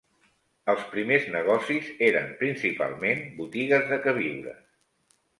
Els primers negocis eren principalment botigues de queviures.